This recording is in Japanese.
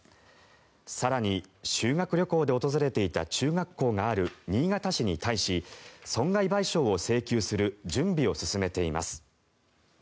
更に、修学旅行で訪れていた中学校がある新潟市に対し損害賠償を請求する準備を進めています。